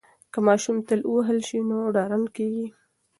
که ماشوم تل ووهل شي نو ډارن کیږي.